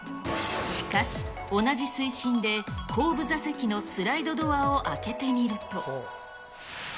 しかし、同じ水深で後部座席のスライドドアを開けてみると。